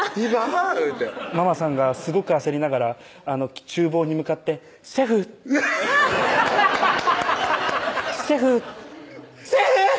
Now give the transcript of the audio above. いうてママさんがすごく焦りながら厨房に向かって「シェフ！」「シェフ！」って「シェフ！